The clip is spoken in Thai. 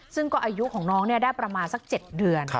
ซึ่งก็อายุของน้องได้ประมาณสัก๗เดือน